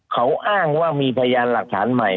เขาอ้างว่ามีพยานหลักฐานใหม่